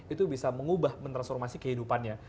itu bisa mengubah mentransformasi kehidupannya